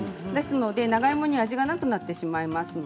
じゃがいもに味がなくなってしまいます。